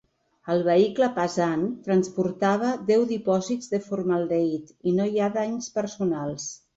El vehicle pesant transportava deu dipòsits de formaldehid i no hi ha danys personals.